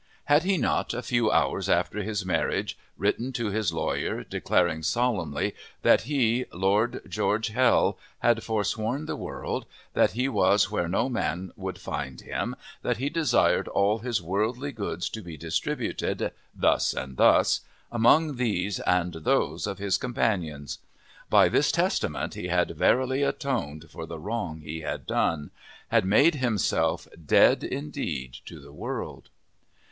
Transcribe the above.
Had he not, a few hours after his marriage, written to his lawyer, declaring solemnly that he, Lord George Hell, had forsworn the world, that he was where no man would find him, that he desired all his worldly goods to be distributed, thus and thus, among these and those of his companions? By this testament he had verily atoned for the wrong he had done, had made himself dead indeed to the world.